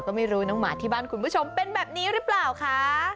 ก็ไม่รู้น้องหมาที่บ้านคุณผู้ชมเป็นแบบนี้หรือเปล่าคะ